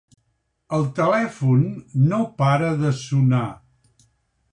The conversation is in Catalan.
El telèfon no para de sonar.